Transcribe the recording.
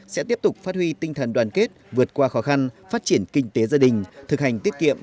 sẽ tiếp tục phát huy tinh thần đoàn kết vượt qua khó khăn phát triển kinh tế gia đình thực hành tiết kiệm